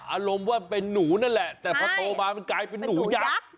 อารมณ์ว่าเป็นหนูนั่นแหละแต่พอโตมามันกลายเป็นหนูยักษ์